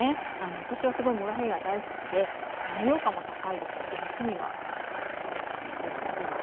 私はすごいモロヘイヤ大好きで栄養価も高いですし夏にはすごくよく食べます。